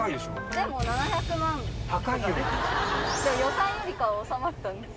でも予算よりかは収まったんです。